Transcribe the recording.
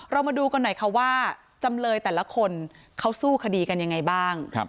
มาดูกันหน่อยค่ะว่าจำเลยแต่ละคนเขาสู้คดีกันยังไงบ้าง